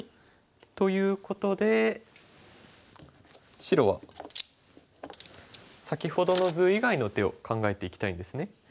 ということで白は先ほどの図以外の手を考えていきたいんですね。